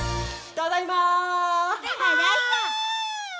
ただいま！